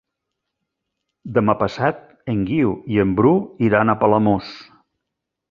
Demà passat en Guiu i en Bru iran a Palamós.